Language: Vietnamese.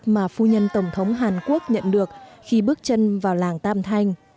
mà phu nhân tổng thống hàn quốc nhận được khi bước chân vào làng tam thanh